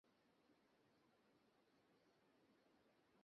না না, ঠিক আছে!